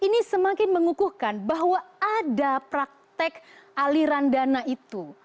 kita harus meneguhkan bahwa ada praktek aliran dana itu